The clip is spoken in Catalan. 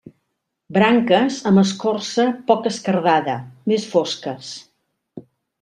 Branques amb escorça poc esquerdada, més fosques.